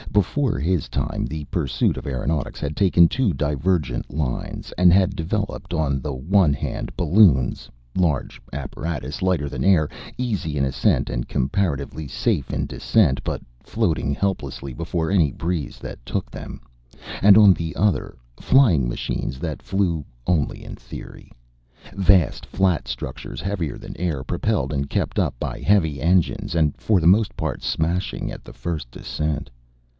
Before his time the pursuit of aeronautics had taken two divergent lines, and had developed on the one hand balloons large apparatus lighter than air, easy in ascent, and comparatively safe in descent, but floating helplessly before any breeze that took them; and on the other, flying machines that flew only in theory vast flat structures heavier than air, propelled and kept up by heavy engines and for the most part smashing at the first descent.